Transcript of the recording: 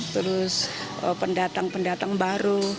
terus pendatang pendatang baru